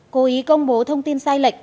cố ý công bố thông tin sai lệch